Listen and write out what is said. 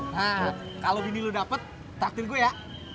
nah kalau bini lo dapet takdir gue ya